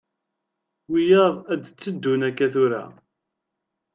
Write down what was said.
Wiyaḍ ad d-teddun akka tura.